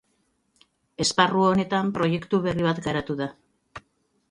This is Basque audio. Esparru horretan, proiektu berri bat garatu da.